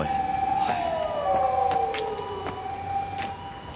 はい。